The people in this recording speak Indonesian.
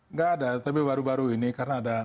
nggak ada tapi baru baru ini karena ada